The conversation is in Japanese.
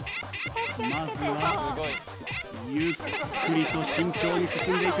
まずはゆっくりと慎重に進んでいく。